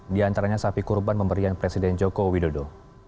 diantaranya sapi kurban memberian presiden joko widodo